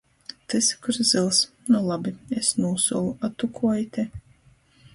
Tys, kurs zyls: "Nu labi, es nūsolu, a tu kuo ite?"